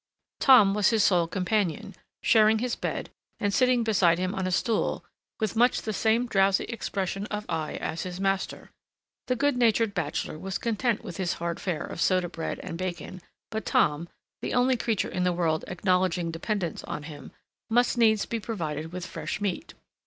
Tom was his sole companion, sharing his bed, and sitting beside him on a stool with much the same drowsy expression of eye as his master. The good natured bachelor was content with his hard fare of soda bread and bacon, but Tom, the only creature in the world acknowledging dependence on him, must needs be provided with fresh meat.